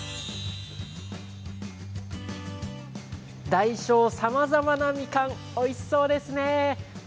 大小さまざまなみかん、おいしそうですね。